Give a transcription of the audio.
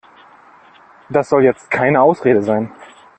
Das soll jetzt keine Ausrede sein.